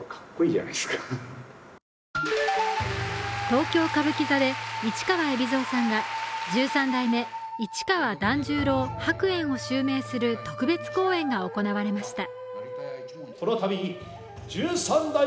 東京・歌舞伎座で市川海老蔵さんが十三代目市川團十郎白猿を襲名する特別公演が行われました。